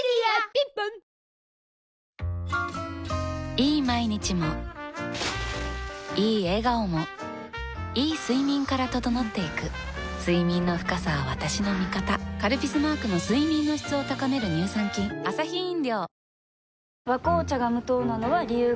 いい毎日もいい笑顔もいい睡眠から整っていく睡眠の深さは私の味方「カルピス」マークの睡眠の質を高める乳酸菌「和紅茶」が無糖なのは、理由があるんよ。